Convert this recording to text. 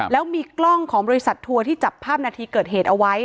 แล้วมีกล้องของบริษัททัวร์ที่จับภาพนาทีเกิดเหตุเอาไว้